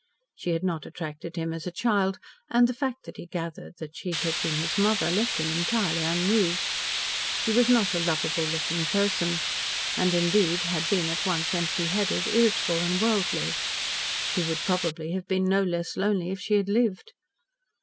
She had not attracted him as a child, and the fact that he gathered that she had been his mother left him entirely unmoved. She was not a loveable looking person, and, indeed, had been at once empty headed, irritable, and worldly. He would probably have been no less lonely if she had lived.